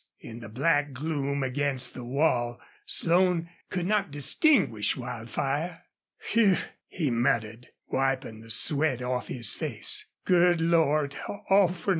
In the black gloom against the wall Slone could not distinguish Wildfire. "Whew!" he muttered, wiping the sweat off his face. "Good Lord! ... All for nothin'."